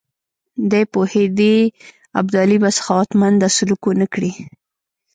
دی پوهېدی ابدالي به سخاوتمندانه سلوک ونه کړي.